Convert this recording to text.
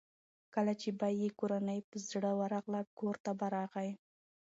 کله چې به یې کورنۍ په زړه ورغله کورته به راغی.